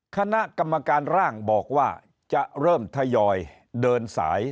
คณะกรรมการร่างบอกว่าจะเริ่มทยอยเดินสาย